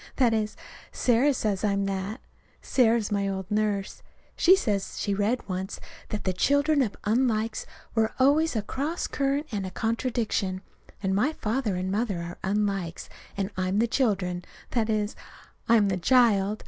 That is, Sarah says I'm that. (Sarah is my old nurse.) She says she read it once that the children of unlikes were always a cross current and a contradiction. And my father and mother are unlikes, and I'm the children. That is, I'm the child.